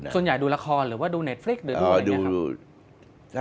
ดูละครหรือว่าดูเน็ตฟลิกหรืออะไรอย่างนี้ครับ